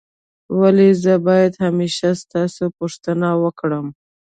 ولي زه باید همېشه ستاسو پوښتنه وکړم؟